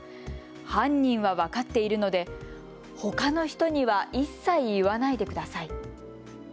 犯人は分かっているのでほかの人には一切、言わないでください。